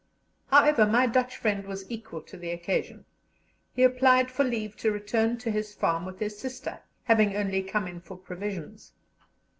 However, my Dutch friend was equal to the occasion; he applied for leave to return to his farm with his sister, having only come in for provisions.